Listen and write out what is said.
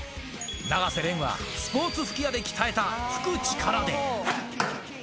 永瀬廉はスポーツ吹き矢で鍛えた吹く力で。